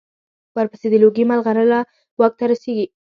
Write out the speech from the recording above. ورپسې د لوګي مرغلره واک ته رسېږي.